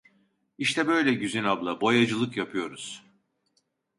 İşte böyle Güzin abla, boyacılık yapıyoruz!